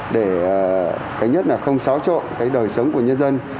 để cái nhất là không xáo trộn cái đời sống của nhân dân